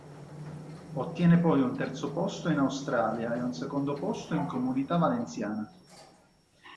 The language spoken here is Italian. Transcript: Ottiene poi un terzo posto in Australia e un secondo posto in Comunità Valenciana.